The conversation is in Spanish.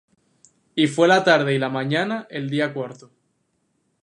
Y fué la tarde y la mañana el día cuarto.